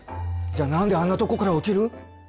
じゃあ何であんなとこから落ちる。